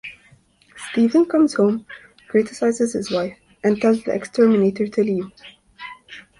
Steven comes home, criticizes his wife, and tells the exterminator to leave.